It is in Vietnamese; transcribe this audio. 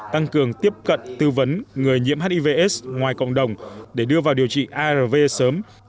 tăng cường tiếp cận tư vấn người nhiễm hivs ngoài cộng đồng để đưa vào điều trị arv sớm